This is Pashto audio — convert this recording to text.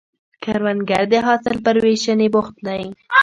کروندګر د حاصل پر ویشنې بوخت دی